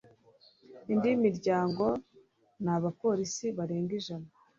indi miryango n abapolisi barenga ijana